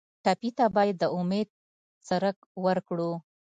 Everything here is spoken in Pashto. ټپي ته باید د امید څرک ورکړو.